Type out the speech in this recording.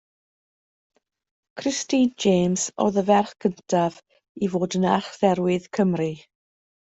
Christine James oedd y ferch gyntaf i fod yn Archdderwydd Cymru.